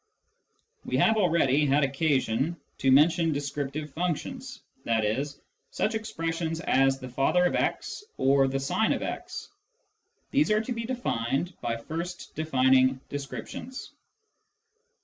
We have already had occasion to mention " descriptive functions," i.e. such expressions as " the father of *" or " the sine of x." These are to be defined by first defining " descriptions."